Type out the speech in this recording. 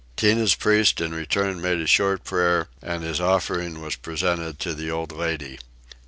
Tinah's priest in return made a short prayer and his offering was presented to the old lady.